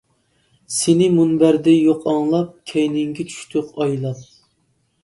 سېنى مۇنبەردە يوق ئاڭلاپ، كەينىڭگە چۈشتۇق ئايلاپ.